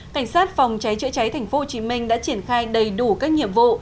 cảnh sát phòng cháy chữa cháy tp hcm đã triển khai đầy đủ các nhiệm vụ